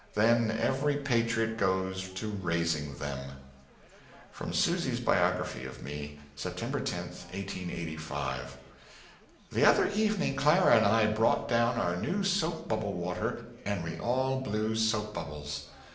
Then every patriot goes to raising them. From Susy's Biography of Me. Sept. 10, '85. The other evening Clara and I brought down our new soap bubble water and we all blew soap bubles.